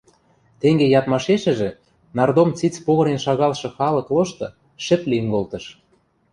Тенге ядмашешӹжӹ нардом циц погынен шагалшы халык лошты шӹп лин колтыш